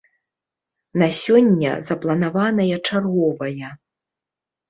На сёння запланаваная чарговая.